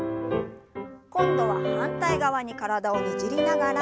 今度は反対側に体をねじりながら。